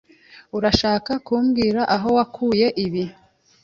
Urashaka kumbwira aho wakuye ibi?